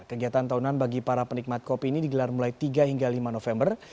kegiatan tahunan bagi para penikmat kopi ini digelar mulai tiga hingga lima november